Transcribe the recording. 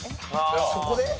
そこで？